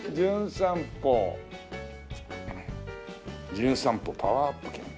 「じゅん散歩パワーアップ記念」。